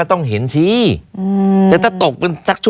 อัศวินธรรมชาติอัศวินธรรมชาติอั